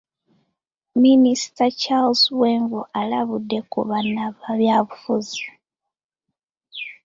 Minisita Charles Bwenvu alabudde ku bannabyabufuzi .